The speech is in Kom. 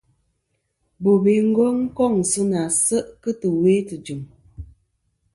Bobe Ngong kôŋ sɨ nà se' kɨ tɨwe tɨjɨ̀m.